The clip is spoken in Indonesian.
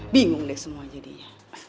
bingung deh semua jadinya